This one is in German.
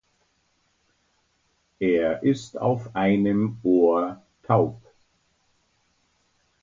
Er ist auf einem Ohr taub.